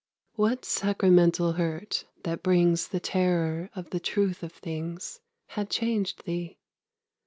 What sacramental hurt that brings The terror of the truth of things, Had changed thee?